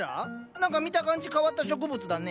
何か見た感じ変わった植物だね。